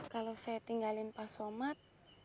kalau saya tinggalin pak somad